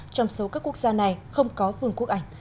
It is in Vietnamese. trong số các quốc gia này không có vườn quốc ảnh